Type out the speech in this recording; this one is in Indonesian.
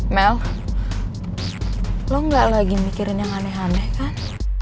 mel lo gak lagi mikirin yang aneh aneh kan